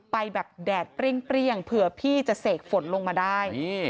ไปแบบแดดเปรี้ยงเผื่อพี่จะเสกฝนลงมาได้